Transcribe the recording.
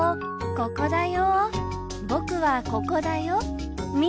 ここだよ。